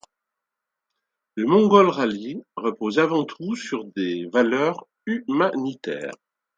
Le Mongol Rally repose avant tout sur des valeurs humanitaires.